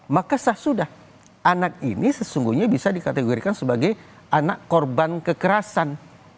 maka sah sudah anak ini sesungguhnya bisa dikategorikan sebagai anak korban kekerasan